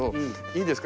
いいですか？